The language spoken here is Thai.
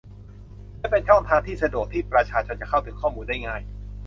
และเป็นช่องทางที่สะดวกที่ประชาชนจะเข้าถึงข้อมูลได้ง่าย